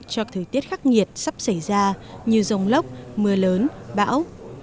cho thời tiết khắc nghiệt sắp xảy ra như rông lốc mưa lớn bão